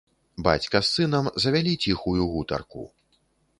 Бацька з сынам завялі ціхую гутарку.